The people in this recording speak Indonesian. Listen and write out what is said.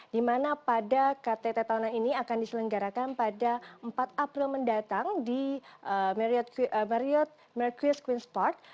di mana pada ktt tahunan ini akan diselenggarakan pada empat april mendatang di marriot mercus queens park